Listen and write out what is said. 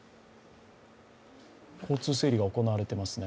交通整理が行われていますね。